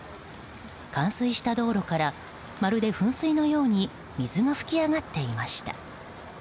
冠水した道路からまるで噴水のように水が噴き上がっていました。